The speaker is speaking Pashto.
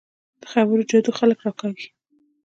د خبرو جادو خلک راکاږي